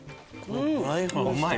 うまい！